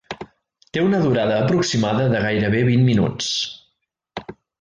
Té una durada aproximada de gairebé vint minuts.